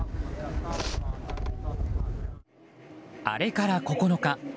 あれから９日。